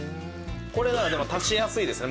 これなら足しやすいですね